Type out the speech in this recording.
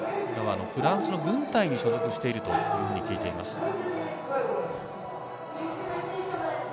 今はフランスの軍隊に所属していると聞いています。